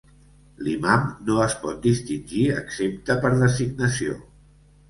L'imam no es pot distingir excepte per designació.